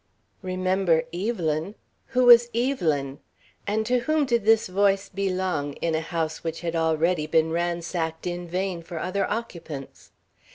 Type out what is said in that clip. Remember Evelyn! Who was Evelyn? And to whom did this voice belong, in a house which had already been ransacked in vain for other occupants?